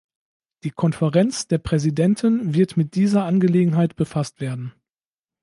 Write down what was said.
Die Konferenz der Präsidenten wird mit dieser Angelegenheit befasst werden.